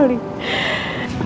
ya allah ya tuhan